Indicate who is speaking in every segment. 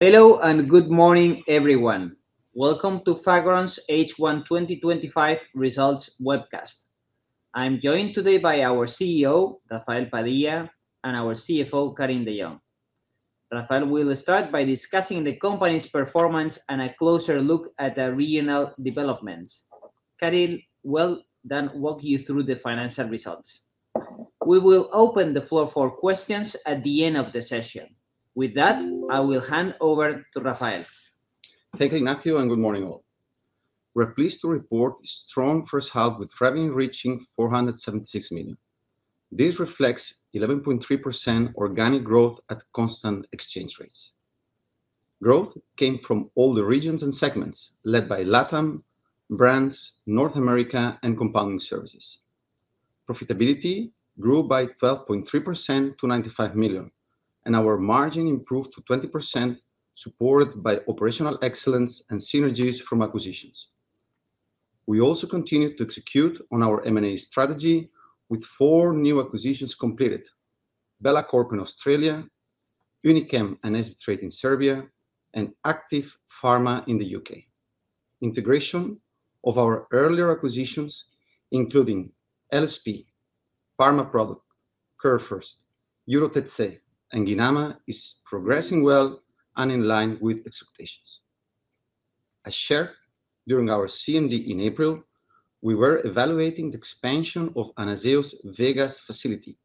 Speaker 1: Hello and good morning everyone. Welcome to Fagron's H1 2025 results webcast. I'm joined today by our CEO Rafael Padilla and our CFO Karin de Jong. Rafael, we'll start by discussing the company's performance and a closer look at the regional developments. Karin will then walk you through the financial results. We will open the floor for questions at the end of the session. With that I will hand over to Rafael.
Speaker 2: Thank you Matthew and good morning all. We're pleased to report strong first half with revenue reaching $476 million. This reflects 11.3% organic growth at constant exchange rates. Growth came from all the regions and segments led by LATAM Brands, North America and Compounding Services. Profitability grew by 12.3% to $95 million and our margin improved to 20% supported by operational excellence and synergies from acquisitions. We also continued to execute on our M&A strategy with four new acquisitions completed: Bella Corp in Australia, Uni-Chem and SB Trade in Serbia, and Active Pharma in the U.K. Integration of our earlier acquisitions including LSP, Purifarma, CareFirst, Euro OTC and Guinama is progressing well and in line with expectations. As shared during our CMD in April we were evaluating the expansion of Anazao's Las Vegas facility.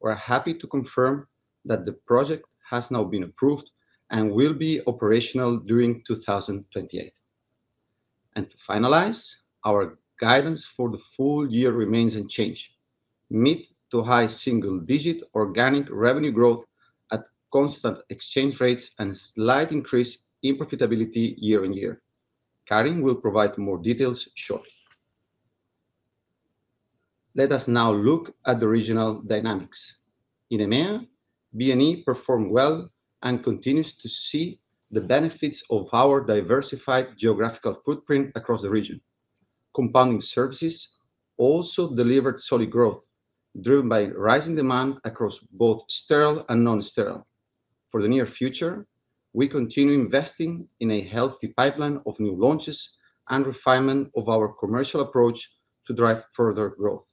Speaker 2: We are happy to confirm that the project has now been approved and will be operational during 2028. To finalize, our guidance for the full year remains unchanged, mid to high single digit organic revenue growth at constant exchange rates and slight increase in profitability year-on-year. Karin will provide more details shortly. Let us now look at the regional dynamics in EMEA. BNE performed well and continues to see the benefits of our diversified geographical footprint across the region. Compounding Services also delivered solid growth driven by rising demand across both sterile and non-sterile. For the near future we continue investing in a healthy pipeline of new launches and refinement of our commercial approach to drive further growth.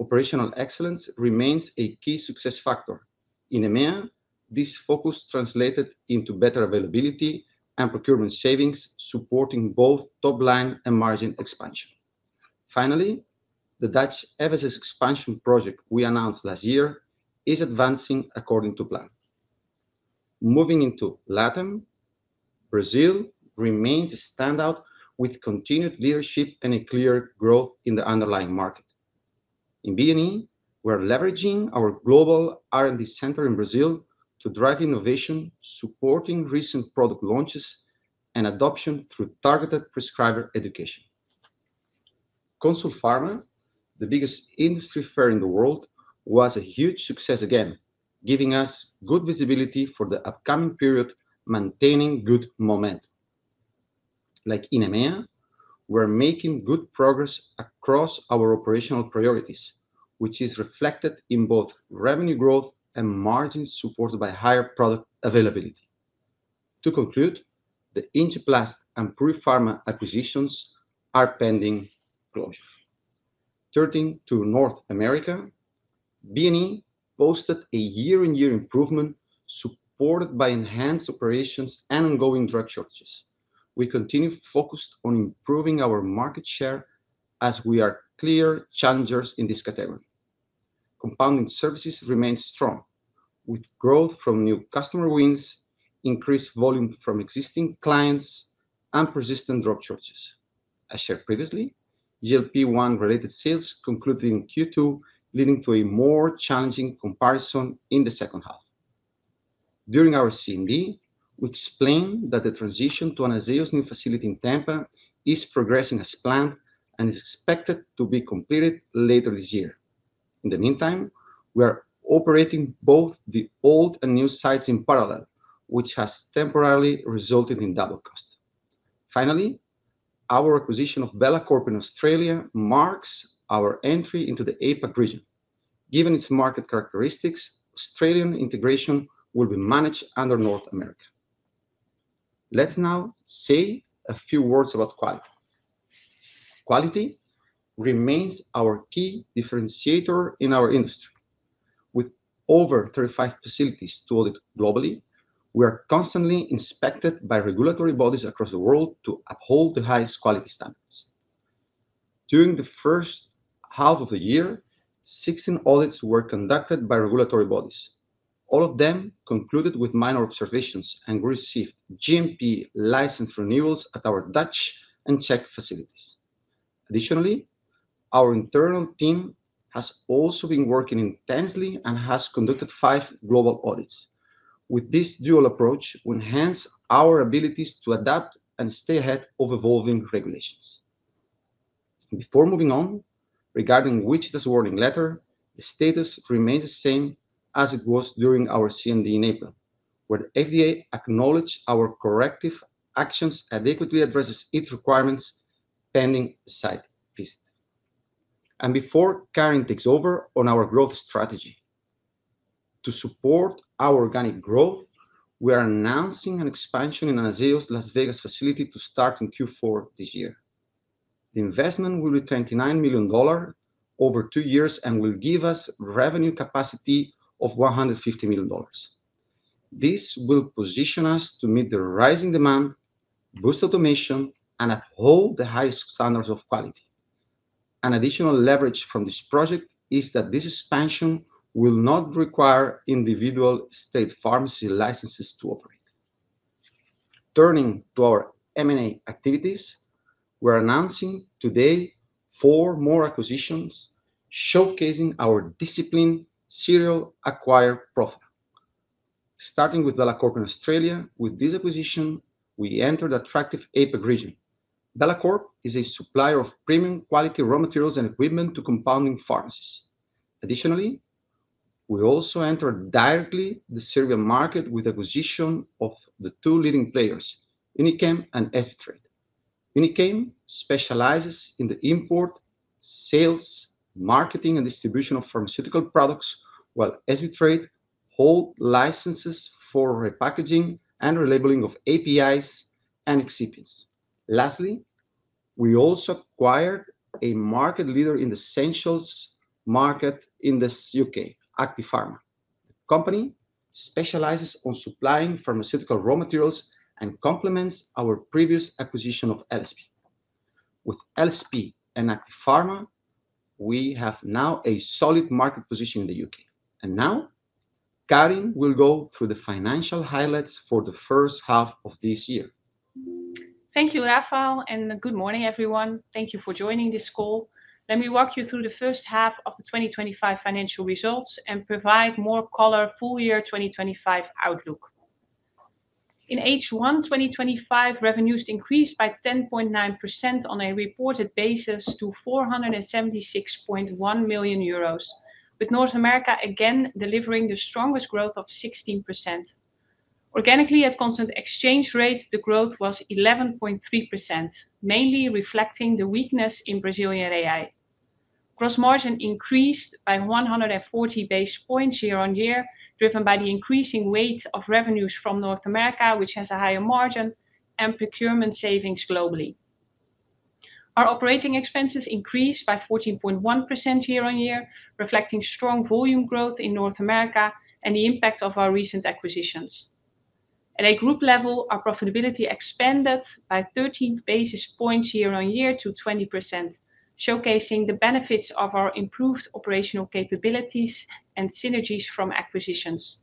Speaker 2: Operational excellence remains a key success factor in EMEA. This focus translated into better availability and procurement savings supporting both top line and margin expansion. Finally, the Dutch FSS expansion project we announced last year is advancing according to plan. giving us good visibility for the upcoming period, maintaining good momentum. Like in EMEA, we're making good progress across our operational priorities, which is reflected in both revenue growth and margins, supported by higher product availability. To conclude, the Injeplast and Purifarma acquisitions are pending close. Turning to North America, B&E posted a year-on-year improvement supported by enhanced operations and ongoing drug shortages. We continue focused on improving our market share as we are clear challengers in this category. Compounding services remains strong with growth from new customer wins, increased volume from existing clients, and persistent drug shortages. As shared previously, GLP-1 related sales concluded in Q2, leading to a more challenging comparison in the second half. During our CMD, we explained that the transition to Anazao's new facility in Tampa is progressing as planned and is expected to be completed later this year. In the meantime, we are operating both the old and new sites in parallel, which has temporarily resulted in double cost. Finally, our acquisition Bella Corp in Australia marks our entry into the APAC region. Given its market characteristics, Australian integration will be managed under North America. Let's now say a few words about quality. Quality remains our key differentiator in our industry. With over 35 facilities to audit globally, we are constantly inspected by regulatory bodies across the world to uphold the highest quality standards. During the first half of the year, 16 audits were conducted by regulatory bodies, all of them concluded with minor observations and received GMP license renewals at our Dutch and Czech facilities. Additionally, our internal team has also been working intensely and has conducted five global audits. With this dual approach, we enhance our abilities to adapt and stay ahead of evolving regulations before moving on. Regarding Wichita's warning letter, the status remains the same as it was during our CMD enablement, where the FDA acknowledged our corrective actions and equity, addresses its requirements pending site visit and before carrying takes over on our growth strategy to support our organic growth. We are announcing an expansion in Anazao's Las Vegas facility to start in Q4 this year. The investment will be $29 million over two years and will give us revenue capacity of $150 million. This will position us to meet the rising demand, boost automation, and uphold the highest standards of quality. An additional leverage from this project is that this expansion will not require individual state pharmacy licenses to operate. Turning to our M&A activities, we are announcing today four more acquisitions, showcasing our disciplined serial acquirer profile, starting Bella Corp in Australia. With this acquisition, we entered the attractive APAC Bella Corp is a supplier of premium quality raw materials and equipment to compounding pharmacies. Additionally, we also entered directly the Serbian market with acquisition of the two leading players, Uni-Chem and SB Trade. Uni-Chem specializes in the import, sales, marketing, and distribution of pharmaceutical products, while SB Trade holds licenses for repackaging and relabeling of APIs and excipients. Lastly, we also acquired a market leader in the essentials market in the U.K. Active Pharma specializes in supplying pharmaceutical raw materials and complements our previous acquisition of LSP. With LSP and Active Pharma, we have now a solid market position in the U.K.. Karin de Jong will now go through the financial highlights for the first half of this year.
Speaker 3: Thank you Rafael and good morning everyone. Thank you for joining this call. Let me walk you through the first half of the 2025 financial results and provide more color. Full Year 2025 Outlook. In H1 2025, revenues increased by 10.9% on a reported basis to 476.1 million euros, with North America again delivering the strongest growth of 16% organically. At constant exchange rate, the growth was 11.3%, mainly reflecting the weakness in Brazilian AI. Gross margin increased by 140 basis points year-on-year driven by the increasing weight of revenues from North America, which has a higher margin, and procurement savings. Globally, our operating expenses increased by 14.1% year-on-year reflecting strong volume growth in North America and the impact of our recent acquisitions. At a group level, our profitability expanded by 13 basis points year-on-year to 20%, showcasing the benefits of our improved operational capabilities and synergies from acquisitions.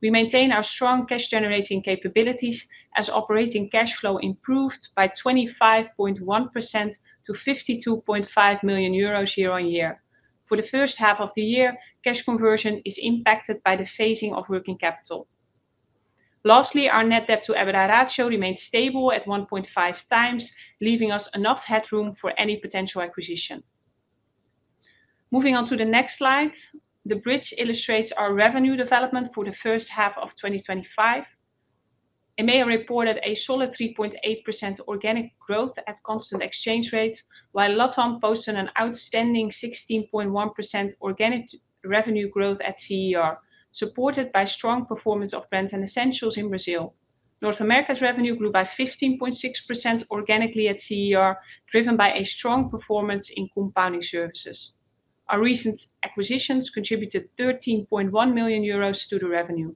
Speaker 3: We maintain our strong cash generating capabilities as operating cash flow improved by 25.1% to 52.5 million euros year-on-year. For the first half of the year, cash conversion is impacted by the phasing of working capital. Lastly, our net debt/EBITDA ratio remains stable at 1.5x, leaving us enough headroom for any potential acquisition. Moving on to the next slide, the bridge illustrates our revenue development for the first half of 2025. EMEA reported a solid 3.8% organic growth at constant exchange rate while LATAM posted an outstanding 16.1% organic revenue growth at CER supported by strong performance of brands and essentials in Brazil. North America's revenue grew by 15.6% organically at CER driven by a strong performance in compounding services. Our recent acquisitions contributed 13.1 million euros to the revenue.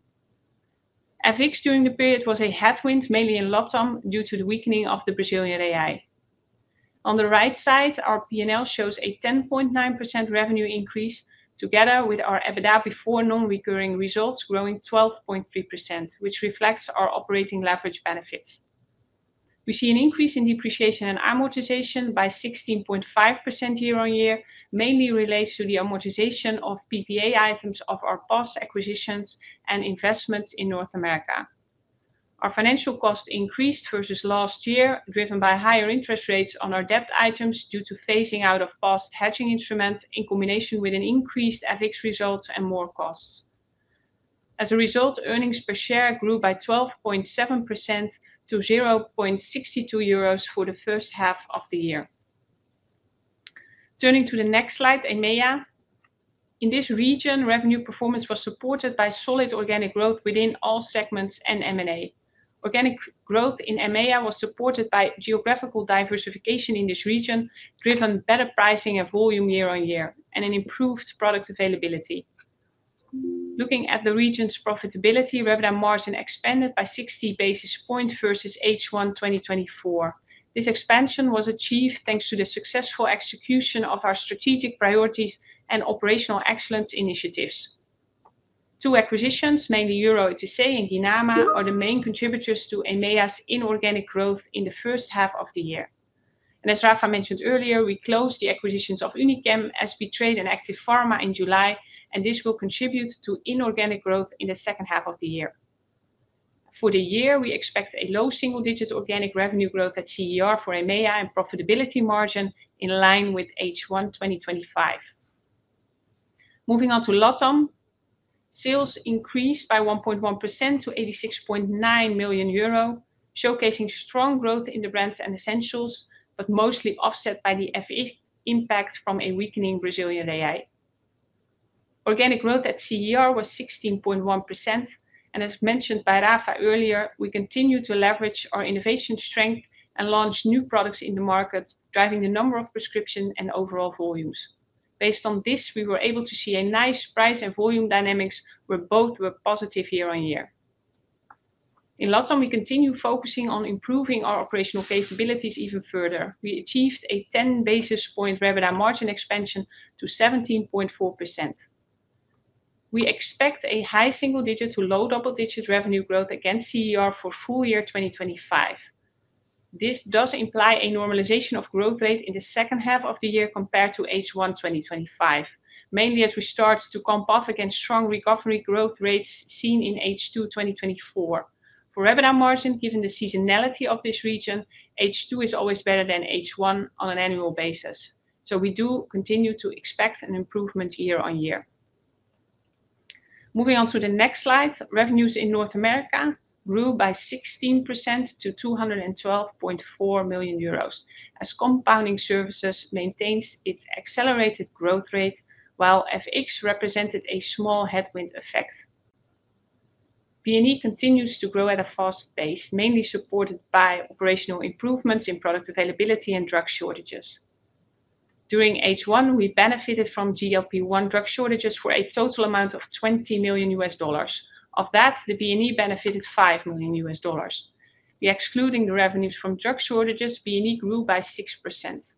Speaker 3: FX during the period was a headwind mainly in LATAM due to the weakening of the Brazilian AI. On the right side, our P&L shows a 10.9% revenue increase together with our EBITDA before non-recurring results growing 12.3%, which reflects our operating leverage benefits. We see an increase in depreciation and amortization by 16.5% year-on-year, mainly relates to the amortization of PPA items of our past acquisitions and investments in North America. Our financial cost increased versus last year driven by higher interest rates on our debt items due to phasing out of past hedging instruments in combination with an increased FX result and more costs. As a result, earnings per share grew by 12.7% to 0.62 euros for the first half of the year. Turning to the next slide, EMEA in this region, revenue performance was supported by solid organic growth within all segments and material organic growth in EMEA was supported by geographical diversification in this region, driven by better pricing and volume year-on-year and an improved product availability. Looking at the region's profitability, EBITDA margin expanded by 60 basis points versus H1 2024. This expansion was achieved thanks to the successful execution of our strategic priorities and operational excellence initiatives. Two acquisitions, mainly Eurotech SE and Guinama, are the main contributors to EMEA's inorganic growth in the first half of the year. As Rafael mentioned earlier, we closed the acquisitions of Uni-Chem, SB Trade, and Active Pharma in July and this will contribute to inorganic growth in the second half of the year. For the year, we expect a low single digit organic revenue growth at CER for EMEA and profitability margin in line with H1 2024. Moving on to LATAM, sales increased by 1.1% to 86.9 million euro, showcasing strong growth in the brands and essentials but mostly offset by the impacts from a weakening Brazilian real. Organic growth at CER was 16.1% and as mentioned by Rafael earlier, we continue to leverage our innovation strength and launch new products in the market, driving the number of prescriptions and overall volumes. Based on this, we were able to see a nice price and volume dynamics where both were positive year-on-year. In LATAM, we continue focusing on improving our operational capabilities even further. We achieved a 10 basis point revenue margin expansion to 17.4%. We expect a high single digit to low double digit revenue growth at CER for full year 2024. This does imply a normalization of growth rate in the second half of the year compared to H1 2024, mainly as we start to comp off against strong recovery growth rates seen in H2 2023 for EBITDA margin. Given the seasonality of this region, H2 is always better than H1 on an annual basis, so we do continue to expect an improvement year-on-year. Moving on to the next slide, revenues in North America grew by 16% to 212.4 million euros as compounding services maintains its accelerated growth rate. While FX represented a small headwind effect, P and E continues to grow at a fast pace, mainly supported by operational improvements in product availability and drug shortages. During H1 we benefited from GLP-1 drug shortages for a total amount of $20 million. Of that, the B&E benefited $5 million. Excluding the revenues from drug shortages, B&E grew by 6%.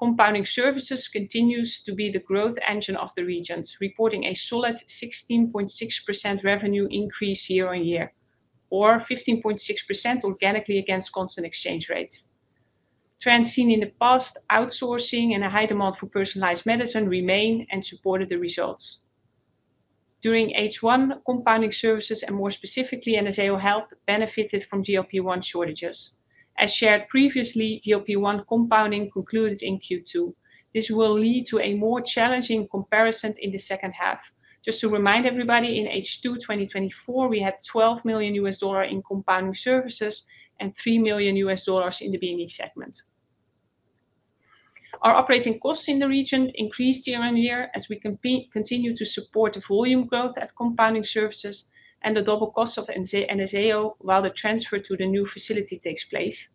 Speaker 3: Compounding services continues to be the growth engine of the regions, reporting a solid 16.6% revenue increase year-on-year or 15.6% organically against constant exchange rates. Trends seen in the past. Outsourcing and a high demand for personalized medicine remain and support the results during H1. Compounding services and more specifically AnazaoHealth benefited from GLP-1 shortages as shared previously. GLP-1 compounding concluded in Q2. This will lead to a more challenging comparison in the second half. Just to remind everybody, in H2 2024 we had $12 million in compounding services and $3 million in the B&E segment. Our operating costs in the region increased year-on-year as we continue to support volume growth at compounding services and the double cost of AnazaoHealth while the transfer to the new facility takes place.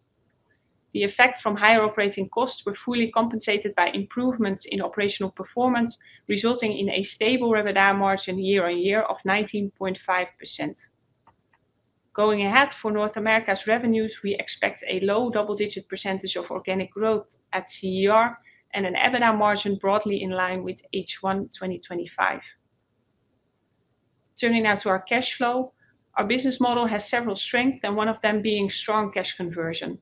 Speaker 3: The effects from higher operating costs were fully compensated by improvements in operational performance, resulting in a stable revenue margin year-on-year of 19.5%. Going ahead for North America's revenues, we expect a low double-digit percentage of organic growth at CER and an EBITDA margin broadly in line with H1 2025. Turning now to our cash flow, our business model has several strengths and one of them being strong cash conversion.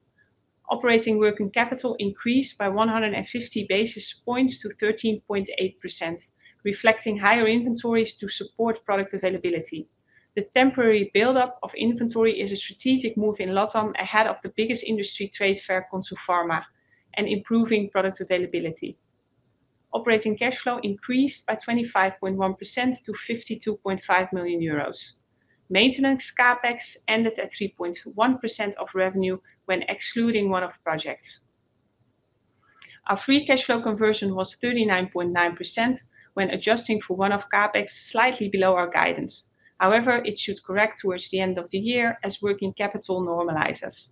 Speaker 3: Operating working capital increased by 150 basis points to 13.8%, reflecting higher inventories to support product availability. The temporary buildup of inventory is a strategic move in LATAM ahead of the biggest industry trade fair Consu Pharma and improving product availability. Operating cash flow increased by 25.1% to 52.5 million euros. Maintenance CapEx ended at 3.1% of revenue when excluding one-off projects. Our free cash flow conversion was 39.9% when adjusting for one-off CapEx, slightly below our guidance. However, it should correct towards the end of the year as working capital normalizes.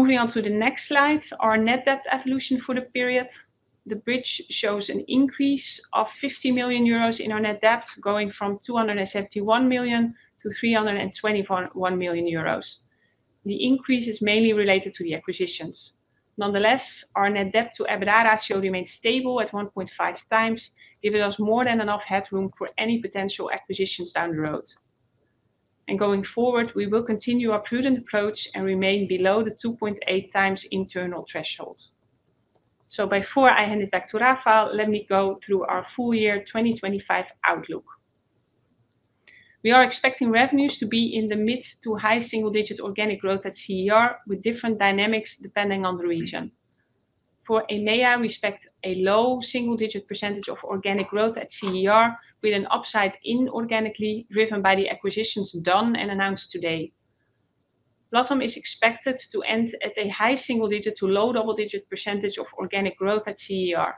Speaker 3: Moving on to the next slide, our net debt evolution for the period. The bridge shows an increase of 50 million euros in our net debt, going from 271 million-321 million euros. The increase is mainly related to the acquisitions. Nonetheless, our net debt/EBITDA ratio remains stable at 1.5x, giving us more than enough headroom for any potential acquisitions down the road. Going forward, we will continue our prudent approach and remain below the 2.8x internal threshold. Before I hand it back to Rafael, let me go through our full year 2025 outlook. We are expecting revenues to be in the mid to high single digit organic growth at CER, with different dynamics depending on the region. For EMEA, we expect a low single digit percentage of organic growth at CER, with an upside inorganically driven by the acquisitions done and announced today. LATAM is expected to end at a high single digit to low double digit percentage of organic growth at CER.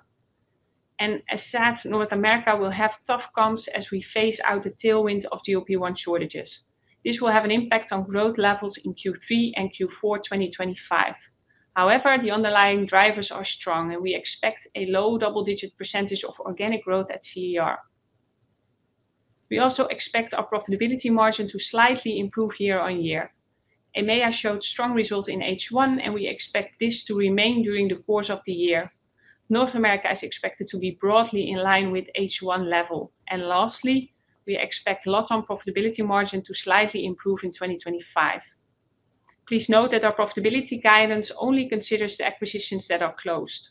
Speaker 3: As said, North America will have tough comps as we phase out the tailwinds of GLP-1 shortages. This will have an impact on growth levels in Q3 and Q4 2025. However, the underlying drivers are strong and we expect a low double digit percentage of organic growth at CER. We also expect our profitability margin to slightly improve year-on-year. EMEA showed strong results in H1 and we expect this to remain during the course of the year. North America is expected to be broadly in line with H1 level and lastly, we expect LATAM profitability margin to slightly improve in 2025. Please note that our profitability guidance only considers the acquisitions that are closed.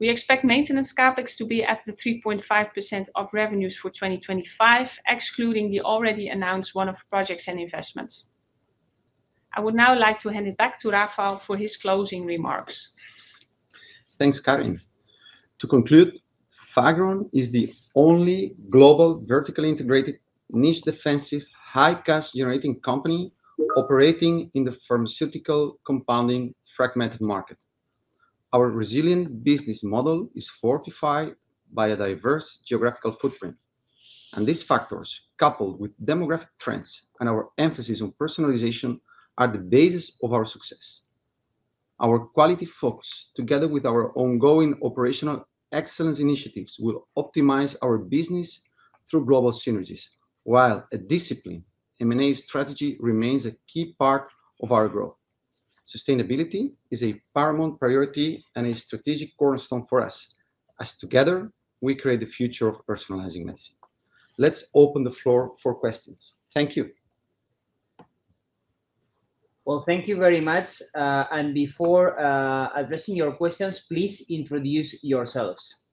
Speaker 3: We expect maintenance CapEx to be at 3.5% of revenues for 2025, excluding the already announced one-off projects and investments. I would now like to hand it back to Rafael for his closing remarks. Thanks, Karin. To conclude, Fagron is the only global, vertically integrated, niche defensive, high cost generating company operating in the pharmaceutical compounding fragmented market. Our resilient business model is fortified by a diverse geographical footprint, and these factors, coupled with demographic trends and our emphasis on personalization, are the basis of our success. Our quality focus, together with our ongoing operational excellence initiatives, will optimize our business through global synergies. While a disciplined M&A strategy remains a key part of our growth, sustainability is a paramount priority and a strategic cornerstone for us as together we create the future of personalizing medicine. Let's open the floor for questions. Thank you. Before addressing your questions, please introduce yourselves.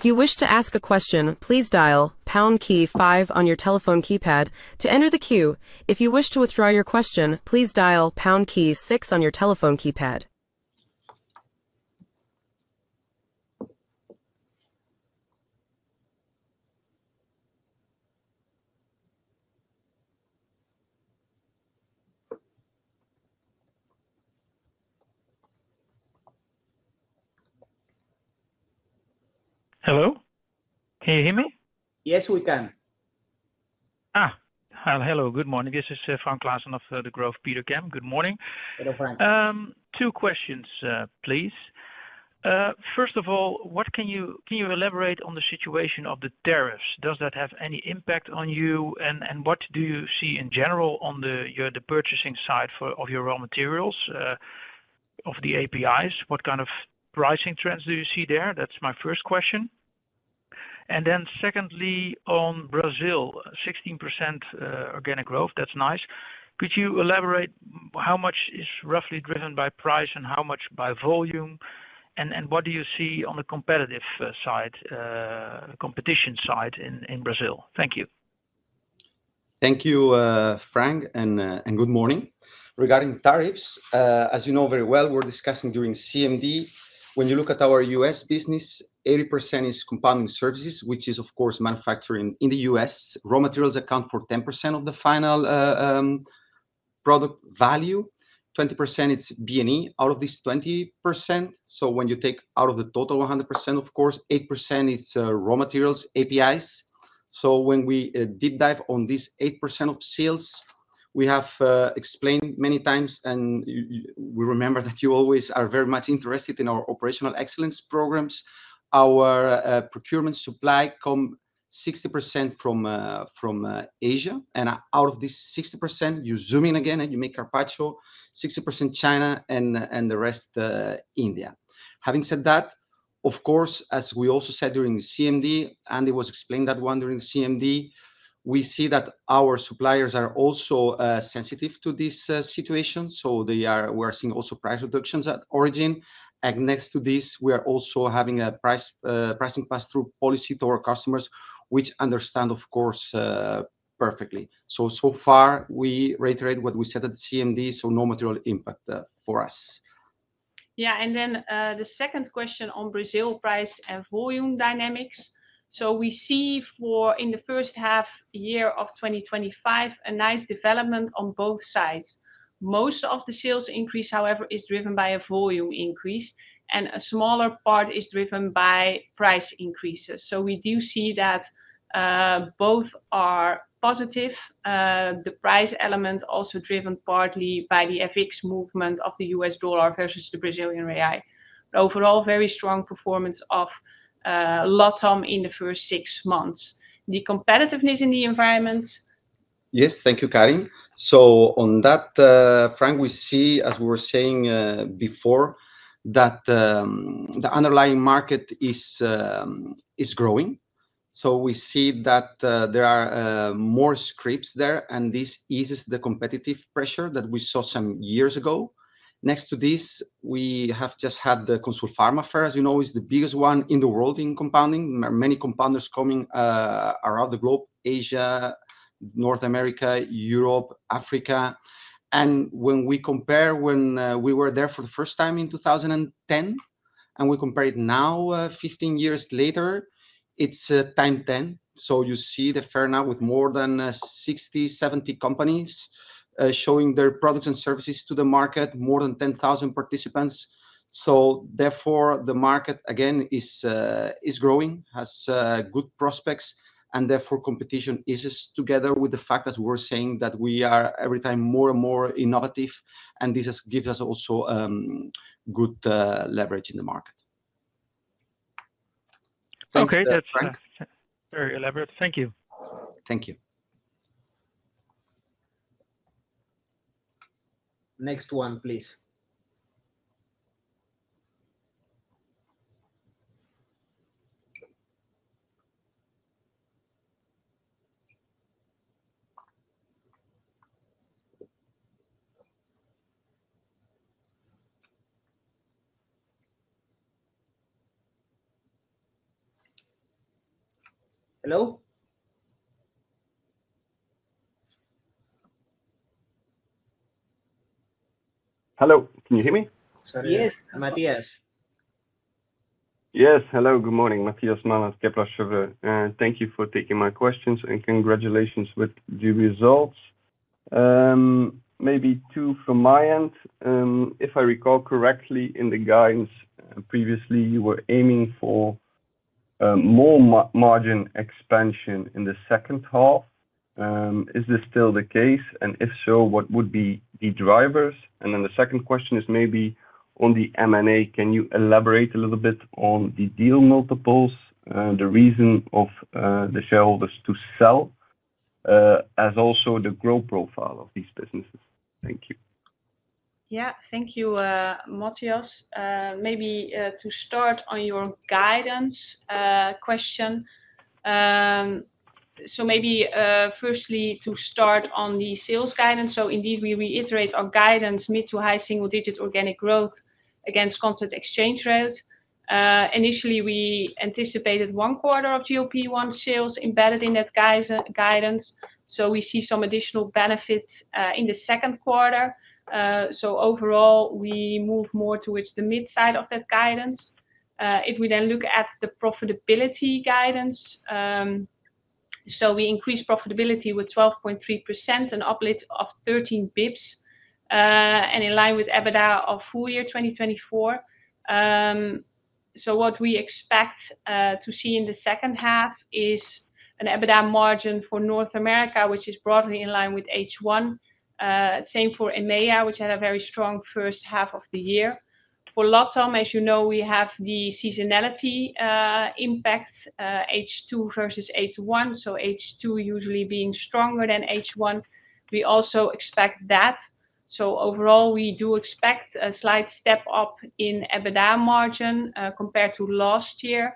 Speaker 4: If you wish to ask a question, please dial on your telephone keypad to enter the queue. If you wish to withdraw your question, please dial key six on your telephone keypad. Hello, can you hear me?
Speaker 2: Yes, we can. Hello, good morning, this is [Frank Klassen of the Grove, Peter Camp]. Good morning. Two questions please. First of all, can you elaborate on the situation of the tariffs? Does that have any impact on you? What do you see in general on the purchasing side of your raw materials of the APIs? What kind of pricing trends do you see there? That's my first question. Secondly, on Brazil, 16% organic growth. That's nice. Could you elaborate how much is roughly driven by price and how much by volume? What do you see on the competition side in Brazil? Thank you. Thank you, Frank. Good morning. Regarding tariffs, as you know very well, we were discussing during CMD, when you look at our U.S. business, 80% is compounding services, which is of course manufacturing in the U.S. Raw materials account for 10% of the final product value, 20%. It's B&E out of this 20%. When you take out of the total 100%, of course 8% is raw materials APIs. When we deep dive on these 8% of sales, we have explained manyx and we remember that you always are very much interested in our operational excellence programs. Our procurement supply comes 60% from Asia. Out of this 60%, you zoom in again and you make Carpaccio 60% China and the rest India. Having said that, as we also said during CMD and it was explained at that one during CMD, we see that our suppliers are also sensitive to this situation. They are. We're seeing also price reductions at origin and next to this we are also having a pricing pass through policy to our customers, which understand of course perfectly. So far we reiterate what we said at CMD. No material impact for us.
Speaker 3: Yeah. The second question on Brazil price and volume dynamics. We see for in the first half year of 2025 a nice development on both sides. Most of the sales increase, however, is driven by a volume increase and a smaller part is driven by price increases. We do see that both are positive. The price element also driven partly by the FX movement of the U.S. dollar versus the Brazilian real. Overall, very strong performance of LATAM in the first six months. The competitiveness in the environment.
Speaker 2: Yes, thank you, Karin. On that, Frank, we see, as we were saying before, that the underlying market is growing. We see that there are more scripts there, and this eases the competitive pressure that we saw some years ago. Next to this, we have just had the Consulpharma fair, as you know, which is the biggest one in the world in compounding. Many compounders coming around the globe: Asia, North America, Europe, Africa. When we compare when we were there for the first time in 2010 and we compare it now, 15 years later, it'sx 10. You see the fair now with more than 60 or 70 companies showing their products and services to the market, more than 10,000 participants. Therefore, the market again is growing, has good prospects, and competition is, together with the fact, as we're saying, that we are every time more and more innovative, and this gives us also good leverage in the market. Okay, that's very elaborate. Thank you. Thank you. Next one, please. Hello? Hello, can you hear me? Yes, Matthias. Yes, hello. Good morning, Matthias Malas. Debrasheva, and thank you for taking my questions and congratulations with the results. Maybe two from my end. If I recall correctly, in the guidance previously you were aiming for more margin expansion in the second half. Is this still the case, and if so, what would be the drivers? The second question is maybe on the M&A. Can you elaborate a little bit on the deal multiples, the reason of the shareholders to sell, as also the growth profile of these businesses? Thank you.
Speaker 3: Yeah, thank you, Matthias. Maybe to start on your guidance question. Maybe firstly to start on the sales guidance. Indeed, we reiterate our guidance: mid to high single digit organic growth against constant exchange rate. Initially, we anticipated one quarter of GLP-1 sales embedded in that guidance. We see some additional benefits in the second quarter. Overall, we move more towards the mid side of that guidance. If we then look at the profitability guidance, we increased profitability with 12.3%, an uplift of 13 bps and in line with EBITDA of full year 2024. What we expect to see in the second half is an EBITDA margin for North America which is broadly in line with H1. Same for EMEA, which had a very strong first half of the year. For LATAM, as you know, we have the seasonality impacts H2 versus H1, with H2 usually being stronger than H1. We also expect that. Overall, we do expect a slight step up in EBITDA margin compared to last year.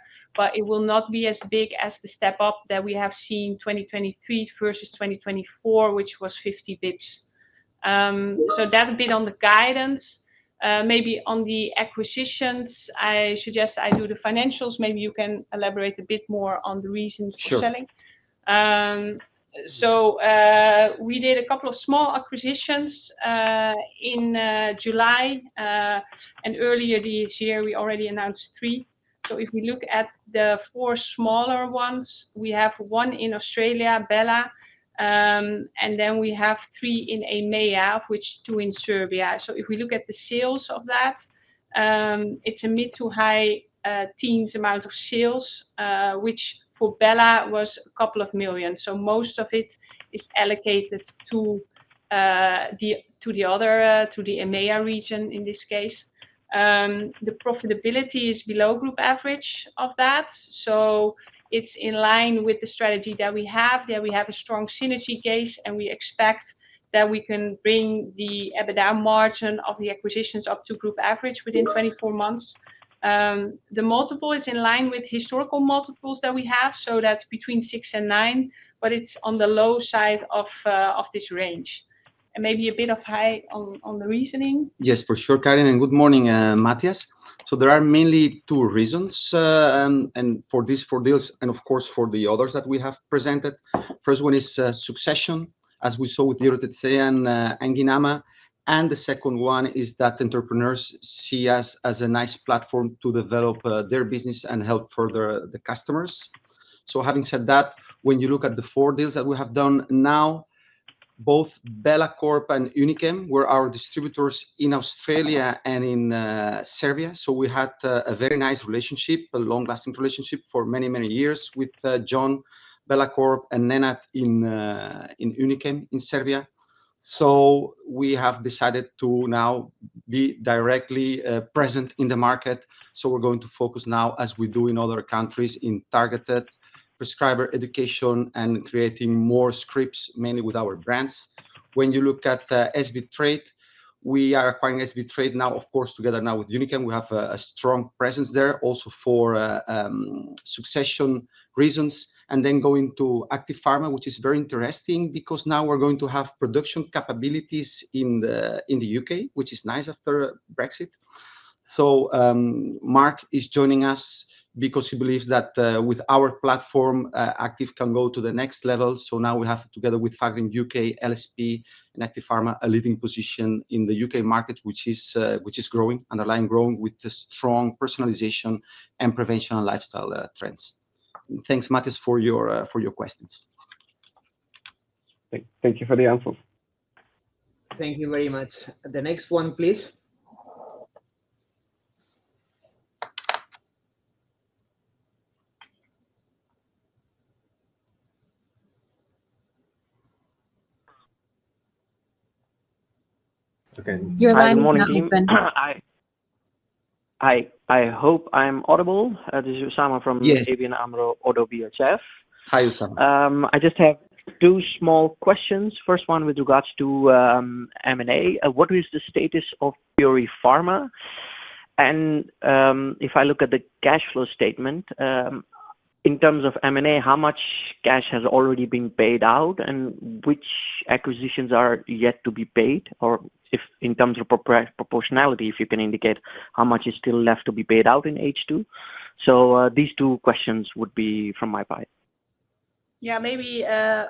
Speaker 3: It will not be as big as the step up that we have seen 2023 versus 2024, which was 50 bps. That a bit on the guidance. Maybe on the acquisitions, I suggest I do the financials. Maybe you can elaborate a bit more on the recent selling. We did a couple of small acquisitions in July and earlier this year we already announced three. If we look at the four smaller ones, we have one Bella Corp, and then we have three in EMEA, with two in Serbia. If we look at the sales of that, it's a mid to high teens amount of sales, for Bella Corp was a couple of million. Most of it is allocated to the EMEA region. In this case, the profitability is below group average. It's in line with the strategy that we have, that we have a strong synergy case, and we expect that we can bring the EBITDA margin of the acquisitions up to group average within 24 months. The multiple is in line with historical multiples that we have, so that's between six and nine, but it's on the low side of this range and maybe a bit high on the reasoning.
Speaker 2: Yes, for sure, Karin, and good morning, Matthias. There are mainly two reasons for these four deals and of course for the others that we have presented. The first one is succession, as we saw with Eurotech and Guinama. The second one is that entrepreneurs see us as a nice platform to develop their business and help further the customers. Having said that, when you look at the four deals that we have done now, Bella Corp and Uni-Chem were our distributors in Australia and in Serbia. We had a very nice relationship, a long-lasting relationship for many, many years with Bella Corp and Nenat at Uni-Chem in Serbia. We have decided to now be directly present in the market. We're going to focus now, as we do in other countries, on targeted prescriber education and creating more scripts, mainly with our brands. When you look at SB Trade, we are acquiring SB Trade now, of course, together now with Uni-Chem. We have a strong presence there also for succession reasons. Going to Active Pharma, which is very interesting because now we're going to have production capabilities in the U.K., which is nice after Brexit. Mark is joining us because he believes that with our platform Active Pharma can go to the next level. Now we have, together with Fagron U.K., LSP, and Active Pharma, a leading position in the U.K. market, which is growing, underlying, growing with strong personalization and prevention and lifestyle trends. Thanks, Matthias, for your questions. Thank you for the answers. Thank you very much. The next one, please.
Speaker 5: I hope I'm audible. This is Usama from ABN AMRO. Hi Usama, I just have two small questions. First one with regards to M&A, what is the status of Purifarma? If I look at the cash flow statement in terms of M&A, how much cash has already been paid out and which acquisitions are yet to be paid? If in terms of proportionality, if you can indicate how much is still left to be paid out in H2. These two questions would be from my piece.
Speaker 3: Yeah, maybe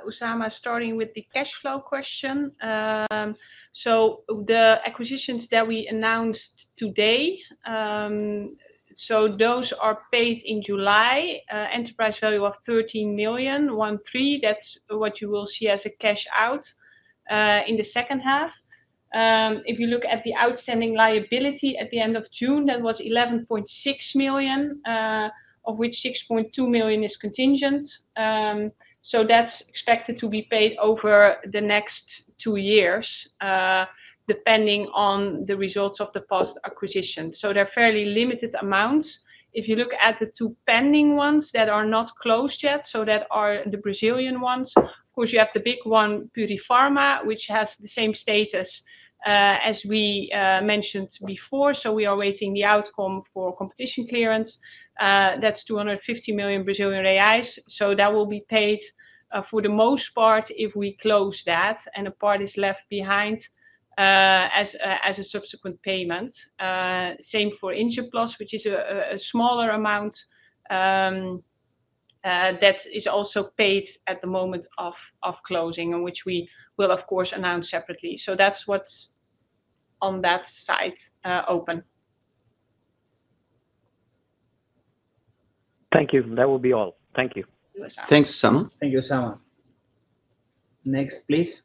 Speaker 3: Usama, starting with the cash flow question. The acquisitions that we announced today are paid in July, enterprise value of $13 million, one three. That's what you will see as a cash out in the second half. If you look at the outstanding liability at the end of June, that was $11.6 million, of which $6.2 million is contingent. That's expected to be paid over the next two years, depending on the results of the past acquisition. They're fairly limited amounts. If you look at the two pending ones that are not closed yet, those are the Brazilian ones. Of course, you have the big one, Purifarma, which has the same status as we mentioned before. We are waiting the outcome for competition clearance. That's 250 million Brazilian reais. That will be paid for the most part if we close that and a part is left behind as a subsequent payment. Same for Injeplast, which is a smaller amount that is also paid at the moment of closing, which we will of course announce separately. That's what's on that side. Open.
Speaker 5: Thank you. That will be all. Thank you.
Speaker 2: Thanks. Thank you. Sama. Next, please.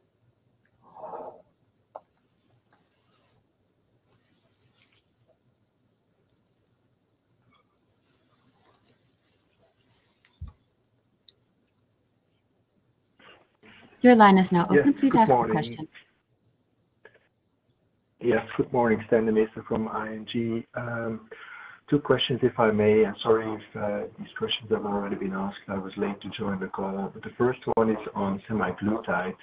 Speaker 4: Your line is now open. Please ask a question. Yes, good morning, [Stein] from IMG. Two questions, if I may. I'm sorry if these questions have already been asked. I was late to join the call. The first one is on semaglutide.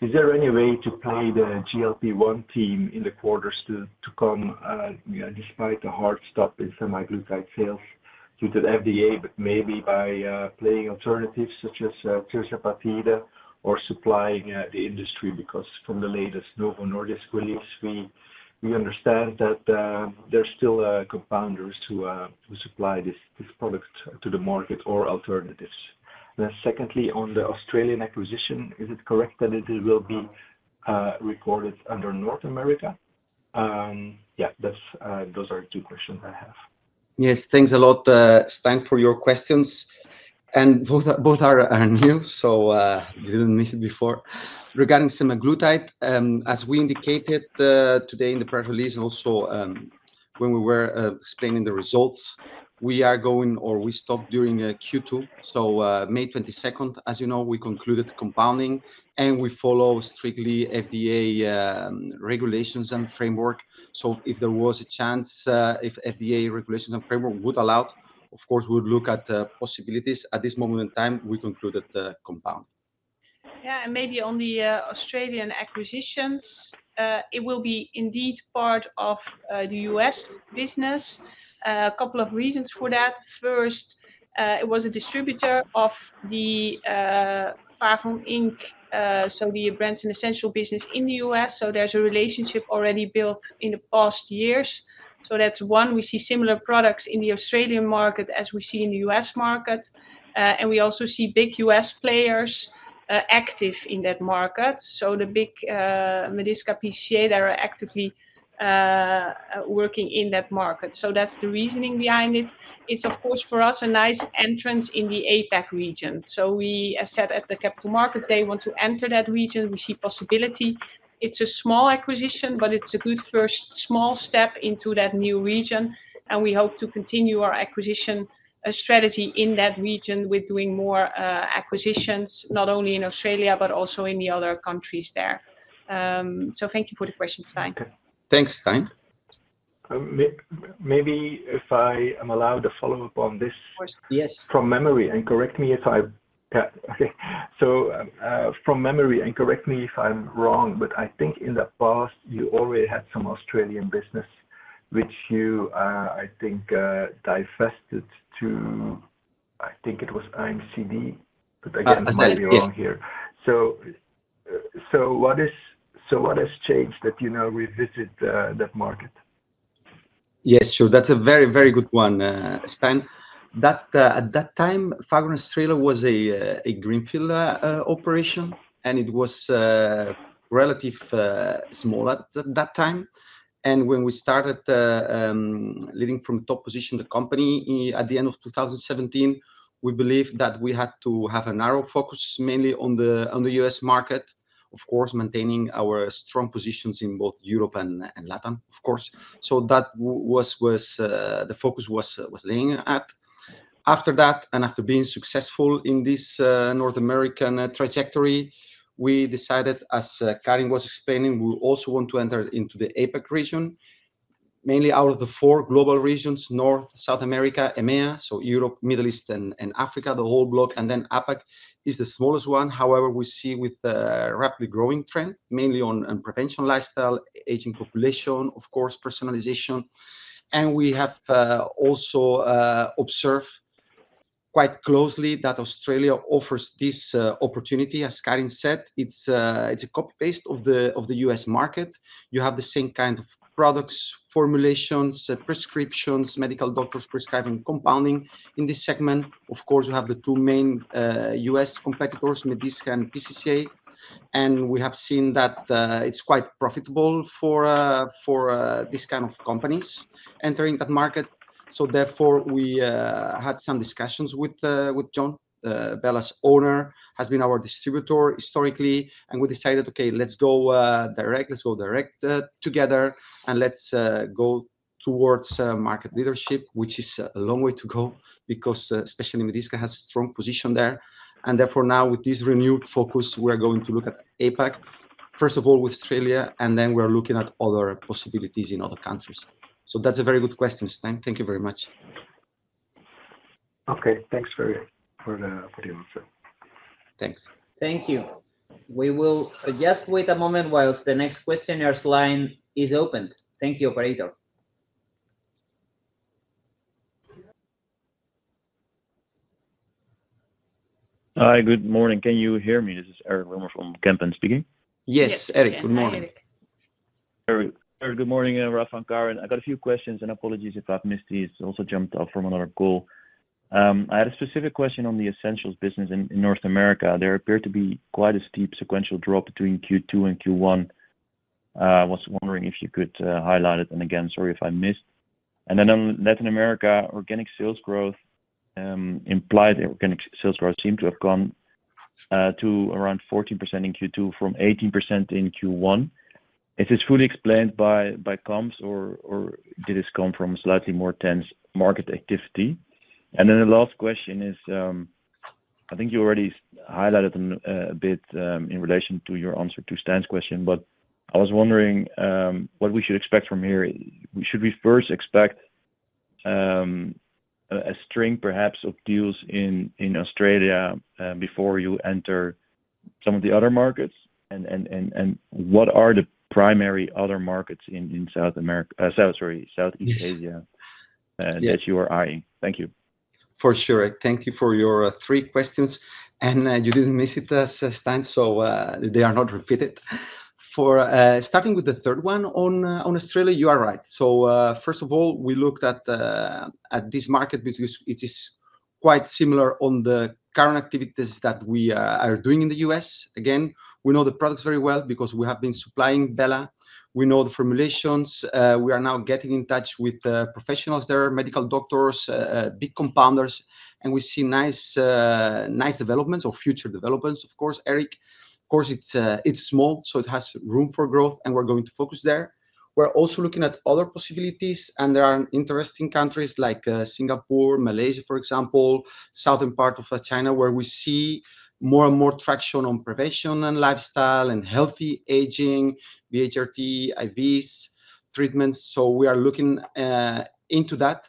Speaker 4: Is there any way to play the GLP-1 theme in the quarters to come despite a hard stop in semaglutide sales due to the FDA? Maybe by playing alternatives such as tirzepatide or supplying the industry. From the latest Novo Nordisk comments, we understand that there's still compounders who supply this product to the market or alternatives. Secondly, on the Australian acquisition, is it correct that it will be recorded under North America? Those are two questions I have.
Speaker 2: Yes, thanks a lot. Thanks for your questions. Both are new, so you didn't miss it before. Regarding Semaglutide, as we indicated today in the press release and also when we were explaining the results, we are going or we stopped during Q2, so May 22, as you know, we concluded compounding and we follow strictly FDA regulations and framework. If there was a chance, if FDA regulations and framework would allow, of course we would look at possibilities. At this moment in time, we concluded the compound.
Speaker 3: Yeah, and maybe on the Australian acquisitions it will be indeed part of the U.S. business. A couple of reasons for that. First, it was a distributor of Fagron Inc so the brands and essential business in the U.S., so there's a relationship already built in in the past years. That's one. We see similar products in the Australian market as we see in the U.S. market. We also see big U.S. players active in that market. The big Medisca PCA are actively working in that market. That's the reasoning behind it. It's of course for us a nice entrance in the APAC region. We said at the capital markets they want to enter that region. We see possibility. It's a small acquisition, but it's a good first small step into that new region. We hope to continue our acquisition strategy in that region with doing more acquisitions not only in Australia, but also in the other countries there. Thank you for the question, Stein.
Speaker 2: Thanks, Stein. Maybe if I am allowed to follow up on this. Yes, from memory and correct me if I'm wrong, but I think in the past you already had some Australian business which you, I think, divested to, I think it was IMCD. What has changed that you now revisit that market? Yes, sure. That's a very, very good one, Stan. At that time, Fagron Sterile was a greenfield operation and it was relatively small at that time. When we started leading from top position, the company at the end of 2017, we believed that we had to have a narrow focus mainly on the U.S. market, of course, maintaining our strong positions in both Europe and Latin, of course. That was where the focus was laying at after that and after being successful in this North American trajectory, we decided, as Karin was explaining, we also want to enter into the APAC region mainly out of the four global regions, North, South America, EMEA, so Europe, Middle East and Africa, the whole block. APAC is the smallest one. However, we see with a rapidly growing trend mainly on prevention, lifestyle, aging, population, of course, personalization. We have also observed quite closely that Australia offers this opportunity. As Karin said, it's a copy paste of the U.S. market. You have the same kind of products, formulations, prescriptions, medical doctors prescribing, compounding in this segment, of course, you have the two main U.S. competitors, Medisca and PCCA. We have seen that it's quite profitable for this kind of companies entering that market. Therefore, we had some discussions with John, Bella's owner, has been our distributor historically. We decided, okay, let's go direct, let's go direct together and let's go towards market leadership, which is a long way to go because especially Medisca has a strong position there. Now with this renewed focus, we're going to look at APAC, first of all with Australia and then we're looking at other possibilities in other countries. That's a very good question, Stan. Thank you very much. Okay, thanks. Thanks. Thank you. We will just wait a moment while the next questioner's line is opened. Thank you, Operator. Hi, good morning, can you hear me? This is Eric Lohmer from Campaign speaking. Yes, Eric, good morning. Good morning, Rafael. Karin, I got a few questions and apologies if I've missed these, also jumped off from another call. I had a specific question on the essentials business in North America. There appeared to be quite a steep sequential drop between Q2 and Q1. I was wondering if you could highlight it, and again, sorry if I missed. In Latin America, organic sales growth implied organic sales growth seemed to have gone to around 14% in Q2 from 18% in Q1. Is this fully explained by comps or did this come from slightly more tense market activity? The last question is I think you already highlighted a bit in relation to your answer to Stan's question. I was wondering what we should expect from here. Should we first expect a string perhaps of deals in Australia before you enter some of the other markets, and what are the primary other markets in South America, sorry, Southeast Asia that you are eyeing? Thank you for sure. Thank you for your three questions and you didn't miss it, Stein. They are not repeated. For starting with the third one on Australia, you are right. First of all, we looked at this market because it is quite similar to the current activities that we are doing in the U.S. Again, we know the products very well because we have Bella Corp. We know the formulations. We are now getting in touch with professionals there, medical doctors, big compounders, and we see nice developments or future developments. Of course, Eric, of course it's small so it has room for growth and we're going to focus there. We're also looking at other possibilities and there are interesting countries like Singapore, Malaysia, for example, southern part of China, where we see more and more traction on prevention and lifestyle and healthy aging, BHRT, IV's treatments. We are looking into that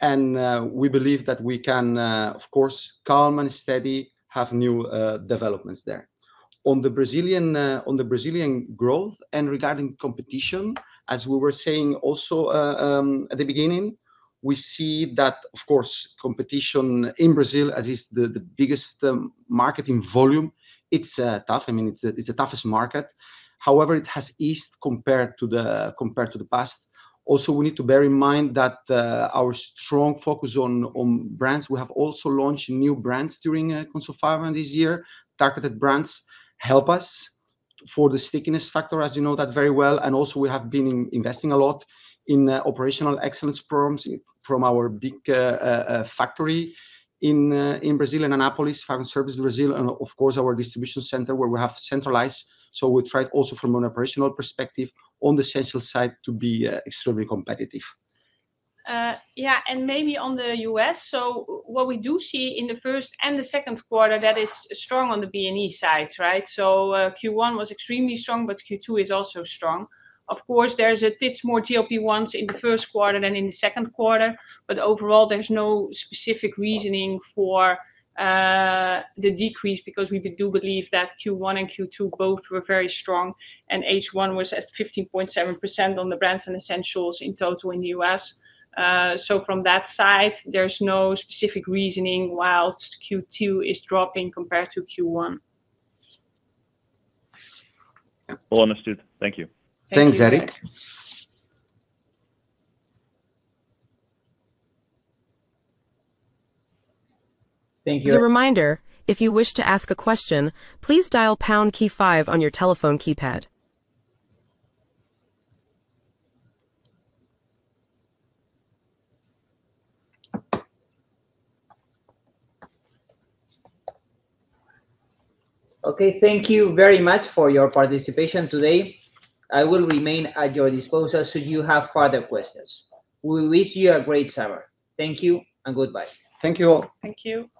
Speaker 2: and we believe that we can, of course, calm and steady have new developments there. On the Brazilian growth and regarding competition, as we were saying also at the beginning, we see that, of course, competition in Brazil, as it is the biggest market in volume. It's tough. I mean it's the toughest market. However, it has eased compared to the past. Also, we need to bear in mind that our strong focus is on brands. We have also launched new brands during Console 5 and this year targeted brands help us for the stickiness factor, as you know that very well. We have been investing a lot in operational excellence programs from our big factory in Brazil, in Anápolis, fiber service in Brazil, and our distribution center where we have centralized. We tried also from an operational perspective on the central side to be extremely competitive.
Speaker 3: Yeah. Maybe on the U.S., what we do see in the first and the second quarter is that it's strong on the B&E side. Q1 was extremely strong, but Q2 is also strong. Of course, there's a bit more GLP-1s in the first quarter than in the second quarter, but overall there's no specific reasoning for the decrease because we do believe that Q1 and Q2 both were very strong and H1 was at 15.7% on the brands and essentials in total in the U.S. From that side, there's no specific reasoning whilst Q2 is dropping compared to Q1. Thank you. Understood.
Speaker 2: Thanks, Eric.
Speaker 3: Thank you.
Speaker 4: As a reminder, if you wish to ask a question, please dial Key five on your telephone keypad. Okay. Thank you very much for your participation today. I will remain at your disposal if you have further questions. We wish you a great summer. Thank you and goodbye. Thank you all.
Speaker 3: Thank you.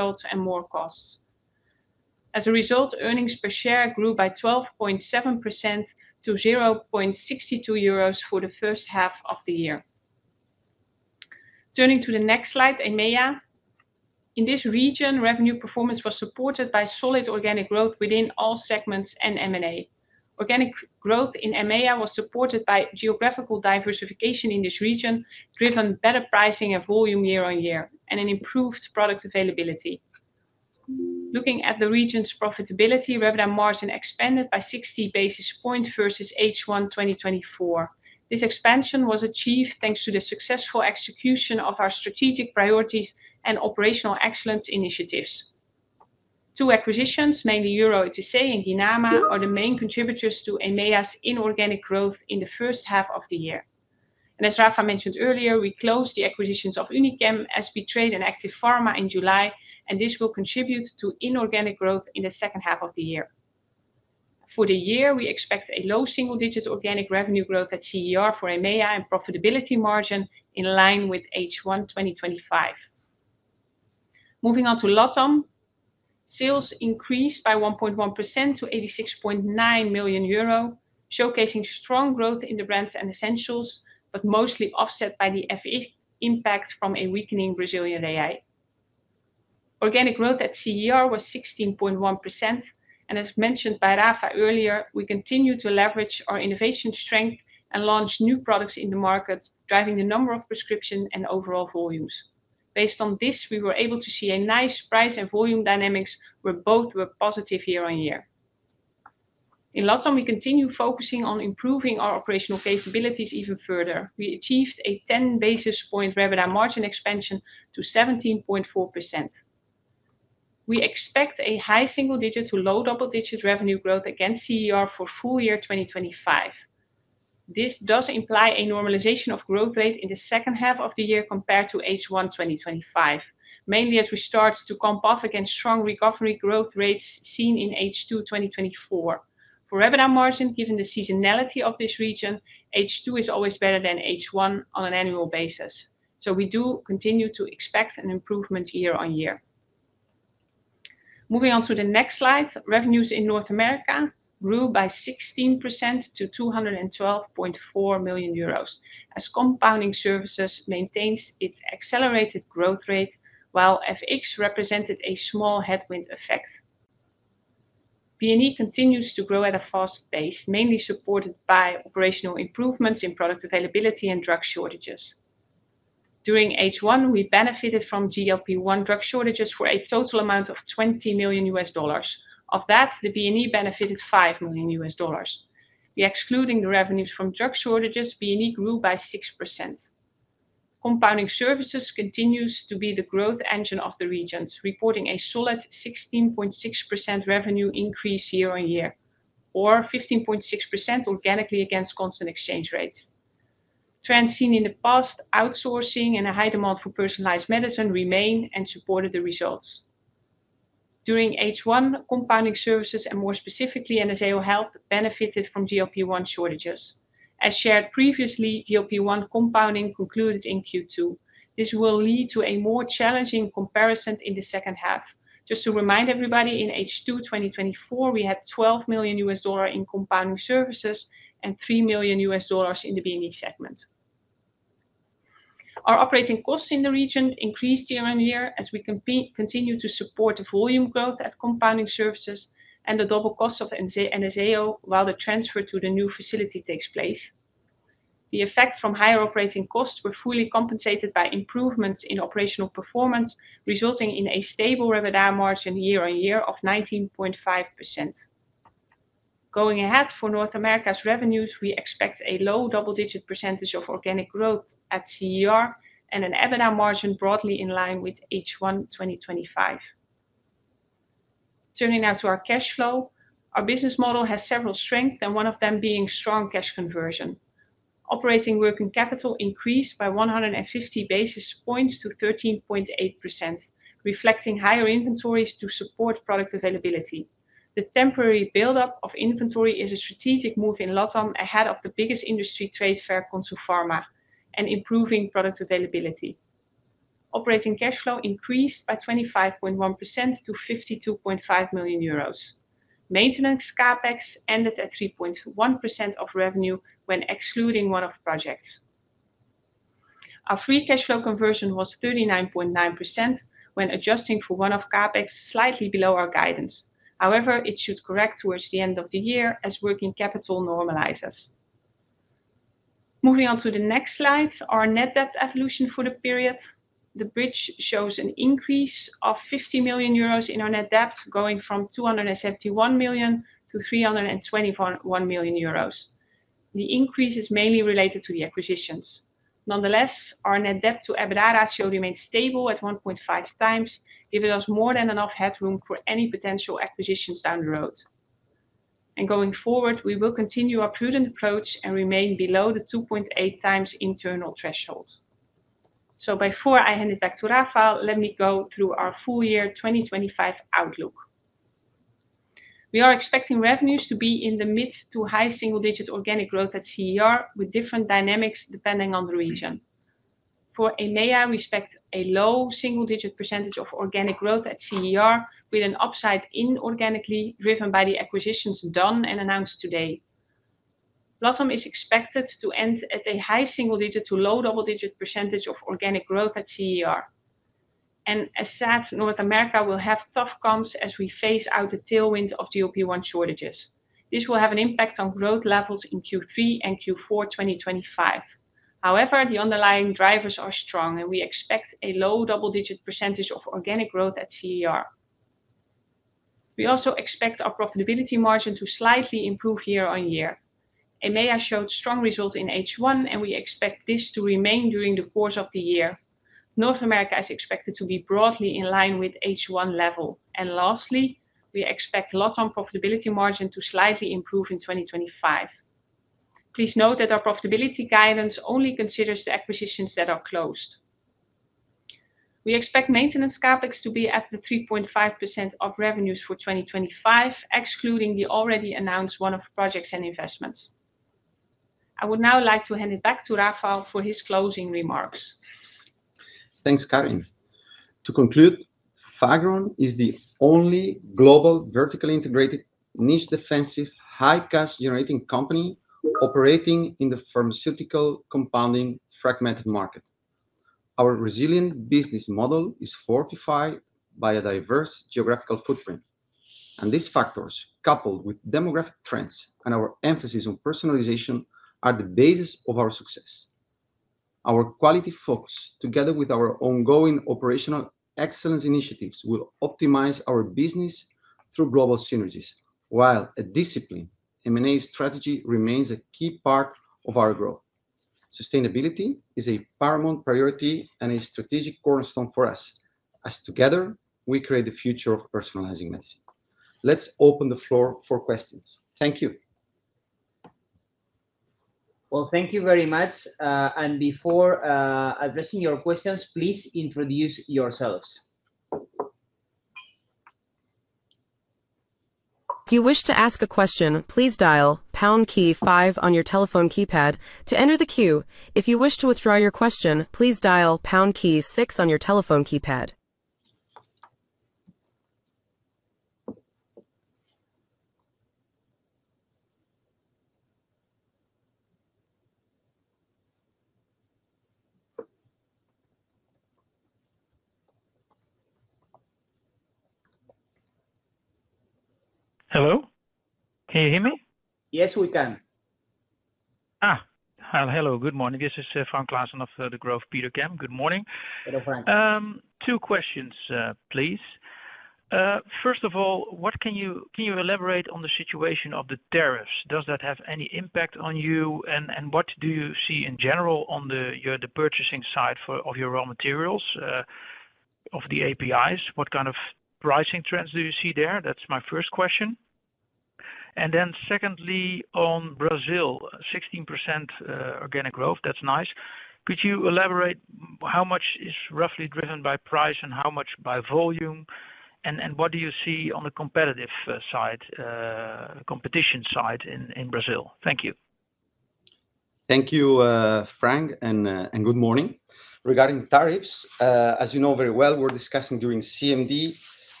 Speaker 2: Bye.